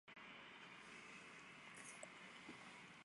日本漫画家列表罗列日本曾获奖的漫画家。